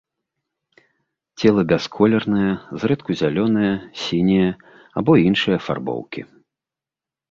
Цела бясколернае, зрэдку зялёнае, сіняе або іншай афарбоўкі.